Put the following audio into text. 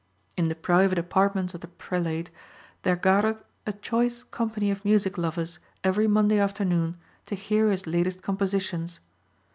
In the private apartments of the prelate there gathered a choice company of music lovers every Monday afternoon to hear his latest compositions.